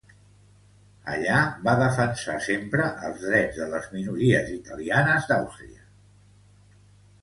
Allí va defensar sempre els drets de les minories italianes d'Àustria.